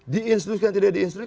diinstruksi atau tidak diinstruksi